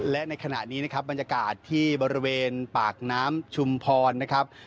และในขณะนี้นะครับบรรยากาศที่บริเวณปากน้ำชุมพรนะครับ